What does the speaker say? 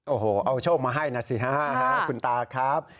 โอ้โหเอาโชคมาให้นะสิฮะคุณตาครับ